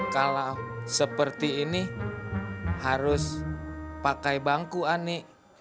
kalau seperti ini harus pakai bangku ani